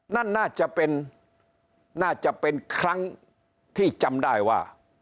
นั่นน่าจะเป็นน่าจะเป็นครั้งที่จำได้ว่า